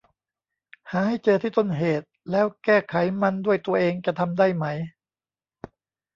หาให้เจอที่ต้นเหตุแล้วแก้ไขมันด้วยตัวเองจะทำได้ไหม